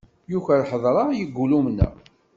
Yuker ḥeḍreɣ, yeggul umneɣ.